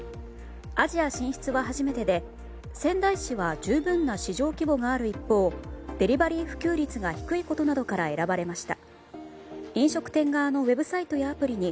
アジア進出は初めてで、仙台市は十分な市場規模がある一方デリバリー普及率が低いことなどから選ばれました。